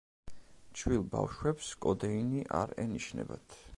ჩვილ ბავშვებს კოდეინი არ ენიშნებათ.